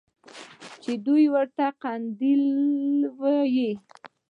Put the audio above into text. چې دوى ورته قنديل ويل.